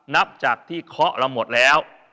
นับจากที่เคาะเราหมดแล้ว